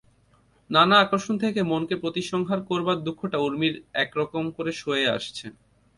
নানা আকর্ষণ থেকে মনকে প্রতিসংহার করবার দুঃখটা ঊর্মির একরকম করে সয়ে আসছে।